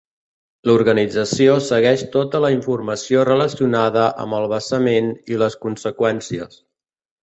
L'organització segueix tot la informació relacionada amb el vessament i les conseqüències.